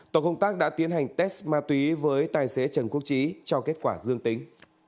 tổ công tác đã tiến hành test ma túy với tài xế trần quốc trí cho kết quả dương tính